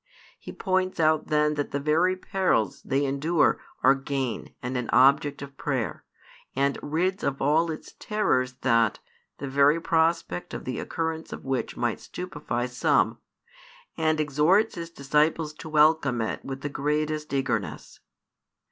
He points out then that the very perils they endure are gain and an object of prayer, and rids of all its terrors that, the very prospect of the occurrence of which might stupefy some, and exhorts His disciples to welcome it with the greatest eagerness.